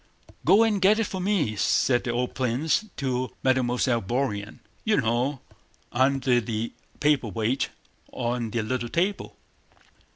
"Go and get it for me," said the old prince to Mademoiselle Bourienne. "You know—under the paperweight on the little table."